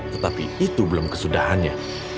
tetapi itu belum kesudahannya